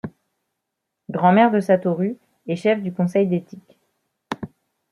Grand-mère de Satoru et chef du conseil d'éthique.